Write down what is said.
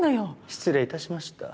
失礼致しました。